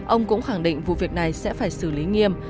ông cũng khẳng định vụ việc này sẽ phải xử lý nghiêm